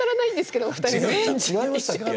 違いましたっけ？